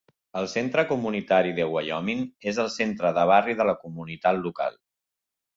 El Centre comunitari de Wyoming és el centre de barri de la comunitat local.